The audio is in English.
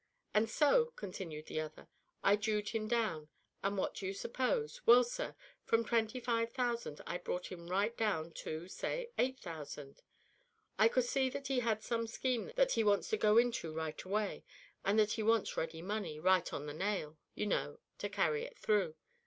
"And so," continued the other, "I jewed him down, and what do you suppose? Well, sir, from twenty five thousand I brought him right down to, say, eight thousand. I could see that he had some scheme that he wants to go into right away, and that he wants ready money, right on the nail, you know, to carry it through.